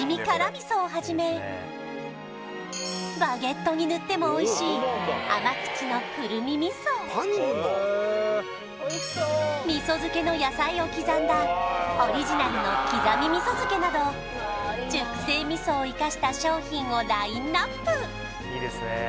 みそをはじめバゲットにぬってもおいしい甘口の味噌漬けの野菜を刻んだオリジナルのきざみ味噌漬けなど熟成味噌を生かした商品をラインナップ！